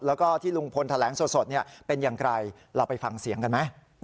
แล้วก็ที่ลุงพลแถลงสดเป็นอย่างไรเราไปฟังเสียงกันไหม